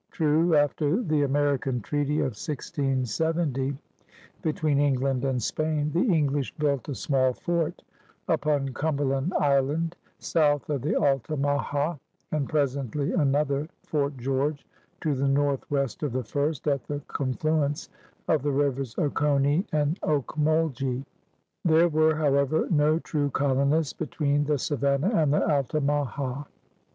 True, after the "American Treaty" of 1670 between England and Spain, the English built a small fort upon Cumberland Island, south of the Altamaha, and presently another — Fort George — to the northwest of the first, at the confluence of the rivers Oconee and Ocmulgee. There were, however, no true colonists between the Savannah and the Altamaha.